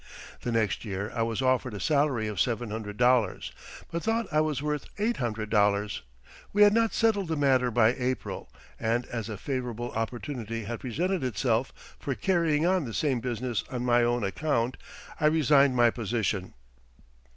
The next year I was offered a salary of $700, but thought I was worth $800. We had not settled the matter by April, and as a favourable opportunity had presented itself for carrying on the same business on my own account, I resigned my position.